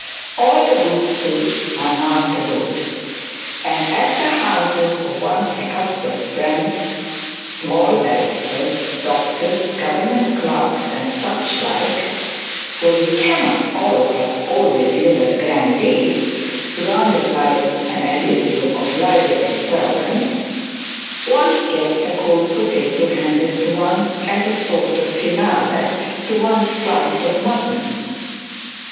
All the good soups are now tabooed; and at the houses of one's accustomed friends, small barristers, doctors, government clerks, and such like, (for we cannot all of us always live as grandees, surrounded by an Elysium of livery servants), one gets a cold potato handed to one as a sort of finale to one's slice of mutton.